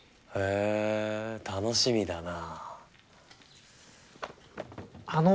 へえ楽しみだなあ。